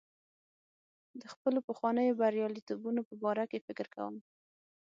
د خپلو پخوانیو بریالیتوبونو په باره کې فکر کوم.